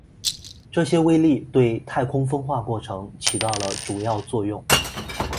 这些微粒对太空风化过程起到了主要作用。